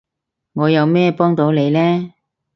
我有咩幫到你呢？